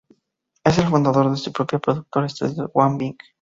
Es el fundador de su propia productora, Estudios Wang Bing.